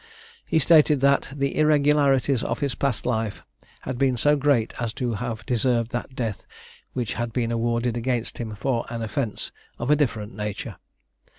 He stated "that the irregularities of his past life had been so great as to have deserved that death which had been awarded against him for an offence of a different nature."